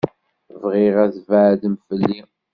Bɣiɣ ad tbeɛded fell-i.